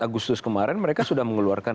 agustus kemarin mereka sudah mengeluarkan